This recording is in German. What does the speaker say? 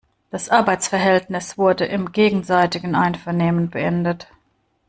Das Arbeitsverhältnis wurde im gegenseitigen Einvernehmen beendet.